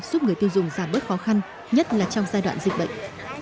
giúp người tiêu dùng giảm bớt khó khăn nhất là trong giai đoạn dịch bệnh